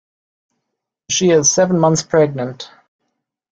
She is seven months pregnant.